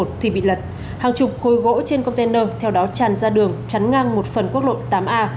thì bị lật hàng chục khối gỗ trên container theo đó tràn ra đường chắn ngang một phần quốc lộ tám a